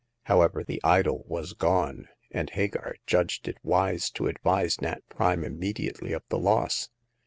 However, the idol was gone, and Hagar judged it wise to advise Nat Prime immediately of the loss.